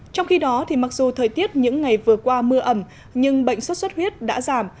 trong khi đó mặc dù thời tiết những ngày vừa qua mưa ẩm nhưng bệnh xuất xuất huyết đã giảm